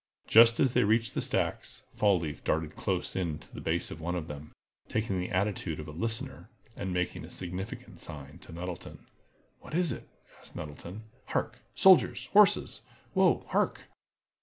Just as they reached the stacks, Fall leaf darted close in to the base of one of them, taking the attitude of a listener, and making a significant sign to Nettleton. "What is it?" asked Nettleton. "Hark! Soldiers! Horses! Whoa! Hark!"